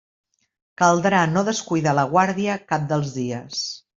Caldrà no descuidar la guàrdia cap dels dies.